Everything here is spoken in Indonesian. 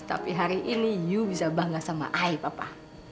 tapi hari ini you bisa bangga sama ai papa